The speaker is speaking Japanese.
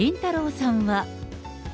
さんは。